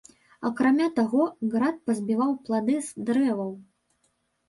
Акрамя таго, град пазбіваў плады з дрэваў.